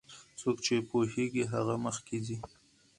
څوک چې پوهیږي هغه مخکې ځي.